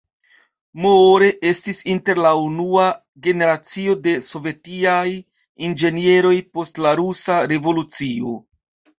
Moore estis inter la unua generacio de sovetiaj inĝenieroj post la Rusa Revolucio.